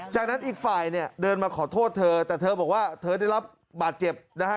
จากนั้นอีกฝ่ายเนี่ยเดินมาขอโทษเธอแต่เธอบอกว่าเธอได้รับบาดเจ็บนะฮะ